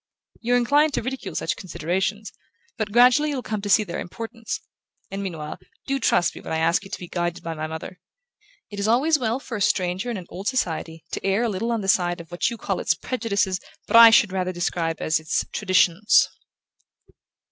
You're inclined to ridicule such considerations, but gradually you'll come to see their importance; and meanwhile, do trust me when I ask you to be guided by my mother. It is always well for a stranger in an old society to err a little on the side of what you call its prejudices but I should rather describe as its traditions."